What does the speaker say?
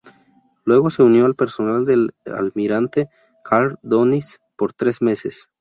Luego se unió al personal del almirante Karl Dönitz por tres meses.